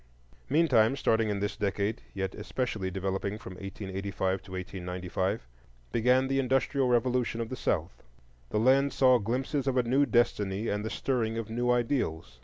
Meantime, starting in this decade yet especially developing from 1885 to 1895, began the industrial revolution of the South. The land saw glimpses of a new destiny and the stirring of new ideals.